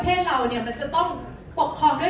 อ๋อแต่มีอีกอย่างนึงค่ะ